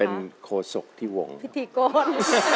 เป็นโคสกที่วงฮะพิธีโกน